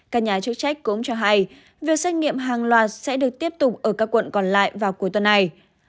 các nhà chức trách cũng cho hay việc xét nghiệm hàng loạt sẽ được tiếp tục ở các quận còn lại vào cuối tuần này